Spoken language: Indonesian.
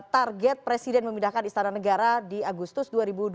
target presiden memindahkan istana negara di agustus dua ribu dua puluh